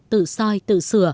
tự soi tự sửa chữa